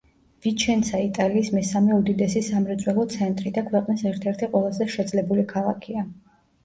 ვიჩენცა იტალიის მესამე უდიდესი სამრეწველო ცენტრი და ქვეყნის ერთ-ერთი ყველაზე შეძლებული ქალაქია.